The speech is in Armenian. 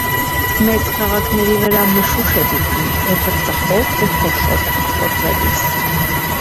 Մեծ քաղաքների վրա մշուշ է դիտվում օդը ծխով ու փոշով աղտոտվելիս։